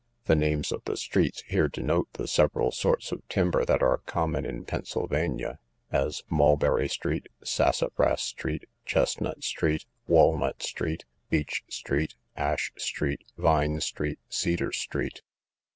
The names of the streets here denote the several sorts of timber that are common in Pennsylvania, as Mulberry street, Sassafras street, Chesnut street, Walnut street, Beech street, Ash street, Vine street, Cedar street.